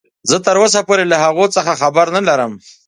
زه تراوسه پورې له هغوې څخه خبر نلرم.